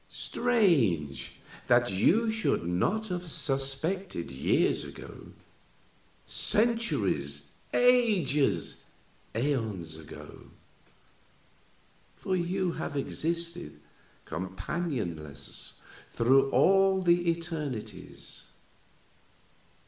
"Strange! that you should not have suspected years ago centuries, ages, eons ago! for you have existed, companionless, through all the eternities.